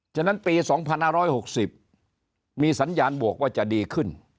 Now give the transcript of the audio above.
ฉะนั้นปี๒๕๖๐มีสัญญาณบวกว่าจะดีขึ้น